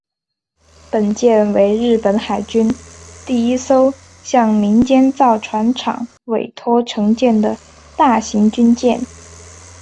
本舰为日本海军第一艘向民间造船厂委托承建的大型军舰。